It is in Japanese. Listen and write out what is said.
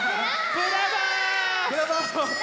ブラボー！